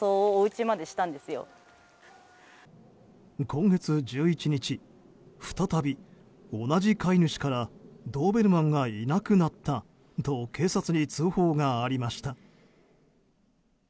今月１１日、再び同じ飼い主からドーベルマンがいなくなったと警察に通報がありました。